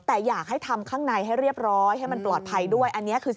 แต่อยากให้ทำข้างในให้เรียบร้อยให้มันปลอดภัยด้วยอันนี้คือ